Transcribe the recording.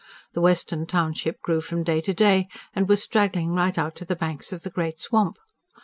The western township grew from day to day, and was straggling right out to the banks of the great swamp.